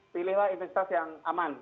pilihlah intensitas yang aman